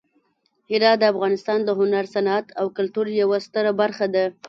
هرات د افغانستان د هنر، صنعت او کلتور یوه ستره برخه ده.